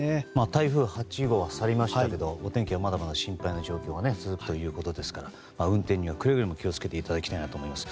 台風８号は去りましたがお天気はまだまだ心配な状況が続くということですから運転にはくれぐれも気を付けていただきたいなと思います。